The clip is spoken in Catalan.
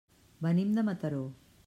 Venim de Mataró.